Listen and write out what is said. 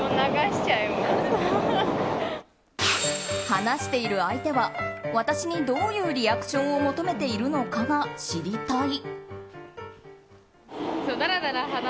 話している相手は私にどういうリアクションを求めているのかが知りたい。